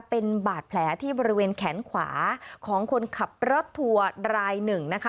เป็นบาดแผลที่บริเวณแขนขวาของคนขับรถทัวร์รายหนึ่งนะคะ